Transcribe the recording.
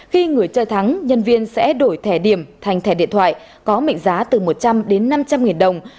khi người chơi thắng nhân viên sẽ đổi thẻ điểm thành thẻ điện thoại có mệnh giá từ một trăm linh đến năm trăm linh nghìn đồng